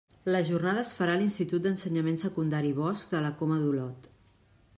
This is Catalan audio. La jornada es farà a l'Institut d'Ensenyament Secundari Bosc de la Coma d'Olot.